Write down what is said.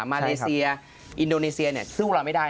มาเลเซียอินโดนีเซียซึ่งไม่ได้